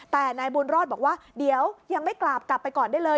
แต่นายบุญรอดบอกว่าเดี๋ยวยังไม่กลับกลับไปก่อนได้เลย